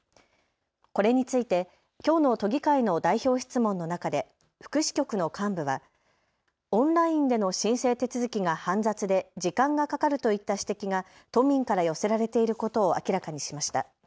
これについてきょうの都議会の代表質問の中で福祉局の幹部はオンラインでの申請手続きが煩雑で時間がかかるといった指摘が都民から寄せられていることを明らかにしました。